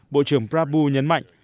bộ trưởng prabhu nhấn mạnh